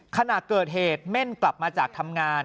ขณะเกิดเหตุเม่นกลับมาจากทำงาน